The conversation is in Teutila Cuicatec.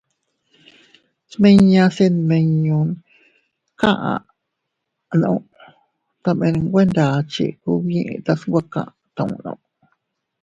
Smiñase nmiñon kaʼanu tomene nwe ndachi kub yitas nwe katunno.